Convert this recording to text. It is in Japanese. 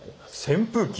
扇風機。